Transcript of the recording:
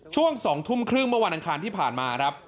ช่วง๒ทุ่มครึ่งมวันอังคารที่ผ่านมา